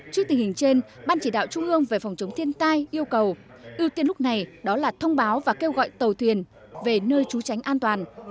trước tình hình trên ban chỉ đạo trung ương về phòng chống thiên tai yêu cầu ưu tiên lúc này đó là thông báo và kêu gọi tàu thuyền về nơi trú tránh an toàn